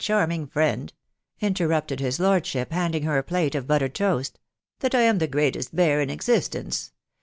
351 terrupted his lordship, handing her a plate of buttered toast, ..• that I am the greatest bear in existent*